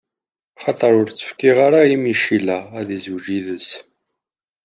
Axaṭer ur tt-fkiɣ ara i mmi Cila, ad izweǧ yid-s.